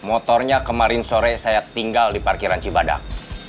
motornya kemarin sore saya tinggal di parkiran cibadak